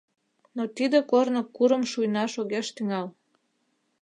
Но тиде корно курым шуйнаш огеш тӱҥал.